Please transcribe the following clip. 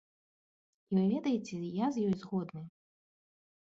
І, вы ведаеце, я з ёй згодны.